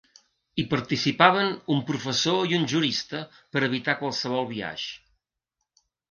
Hi participaven un professor i un jurista per evitar qualsevol biaix.